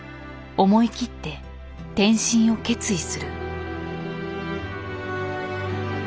思い切って転身を決意する。